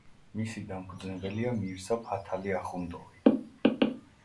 მისი დამფუძნებელია მირზა ფათალი ახუნდოვი.